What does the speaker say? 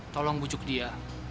tolong bujuk dia